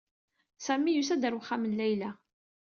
Sami yusa-d ɣer uxxam n Layla.